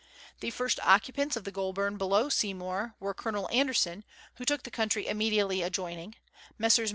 The first occupants of the Goulburn below Seymour were: Colonel Anderson, who took the country immediately adjoining ; Messrs.